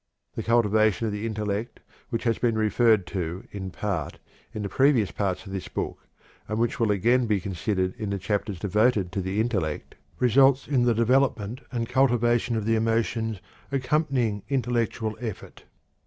The cultivation of the intellect (which has been referred to, in part, in the previous parts of this book, and which will be again considered in the chapters devoted to the intellect) results in the development and cultivation of the emotions accompanying intellectual effort.